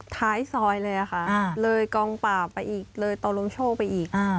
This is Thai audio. ท้ายซอยเลยอ่ะค่ะเลยกองป่าไปอีกเลยตอนลงโชคไปอีกอ่า